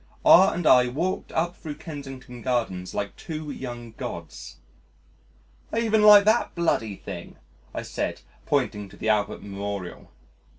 R and I walked up thro' Kensington Gardens like two young Gods! "I even like that bloody thing," I said, pointing to the Albert Memorial.